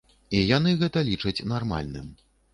І яны гэта лічаць нармальным.